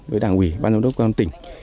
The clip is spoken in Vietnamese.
với đảng quỷ ban giám đốc công an tỉnh